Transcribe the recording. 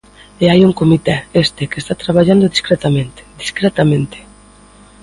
E hai un comité, este, que está traballando discretamente, discretamente.